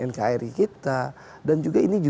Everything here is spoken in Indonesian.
nkri kita dan juga ini